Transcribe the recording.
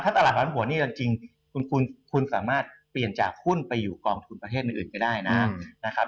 ตลาดร้อนหัวนี่จริงคุณสามารถเปลี่ยนจากหุ้นไปอยู่กองทุนประเทศอื่นก็ได้นะครับ